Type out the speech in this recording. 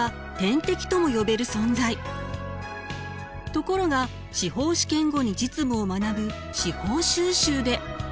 ところが司法試験後に実務を学ぶ司法修習で。